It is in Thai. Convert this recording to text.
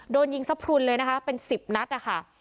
โดนยิงสะพรุนเลยนะคะเป็น๑๐นัดนะคะ